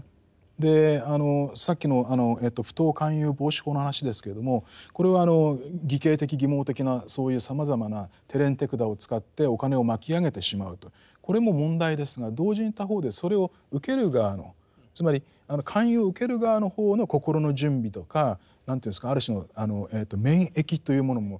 でさっきの不当勧誘防止法の話ですけれどもこれは偽計的欺罔的なそういうさまざまな手練手管を使ってお金を巻き上げてしまうとこれも問題ですが同時に他方でそれを受ける側のつまり勧誘を受ける側の方の心の準備とか何ていうんですかある種の免疫というものも重要だと思うんですね。